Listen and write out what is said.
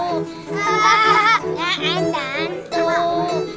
gak ada hantu